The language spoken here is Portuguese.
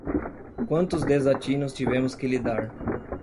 Quantos desatinos tivemos que lidar